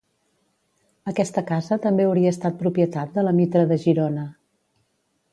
Aquesta casa també hauria estat propietat de la Mitra de Girona.